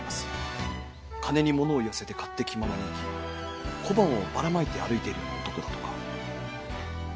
金に物を言わせて勝手気ままに生き小判をばらまいて歩いているような男だとか。